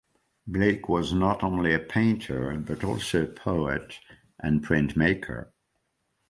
Blake was not only a painter but also a poet and printmaker.